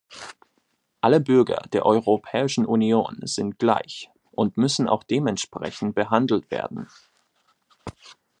Alle Bürger der Europäischen Union sind gleich und müssen auch dementsprechend behandelt werden.